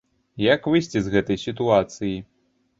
Як выйсці з гэтай сітуацыі?